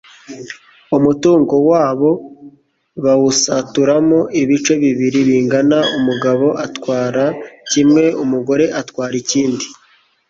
umutungo wabo bawusaturamo ibice bibiri bingana umugabo agatwara kimwe umugore agatwara ikindi